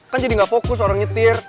kan jadi gak fokus orang nyetir